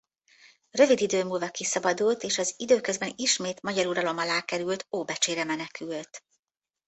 Rövid idő múlva kiszabadult és az időközben ismét magyar uralom alá került Óbecsére menekült.